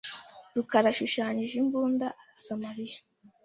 rukarayashushanyije imbunda arasa Mariya.